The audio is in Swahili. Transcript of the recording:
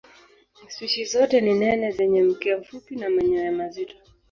Spishi zote ni nene zenye mkia mfupi na manyoya mazito.